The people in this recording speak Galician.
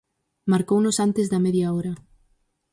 Marcounos antes da media hora.